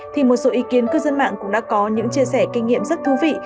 thì một số ý kiến cư dân mạng cũng đã có những chia sẻ kinh nghiệm rất thú vị